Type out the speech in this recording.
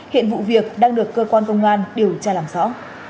hiện vụ việc đang được cơ quan công an điều tra làm rõ